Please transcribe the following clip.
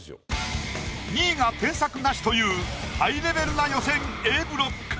２位が添削なしというハイレベルな予選Ａブロック。